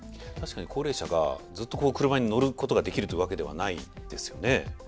確かに高齢者がずっと車に乗ることができるというわけではないですよね？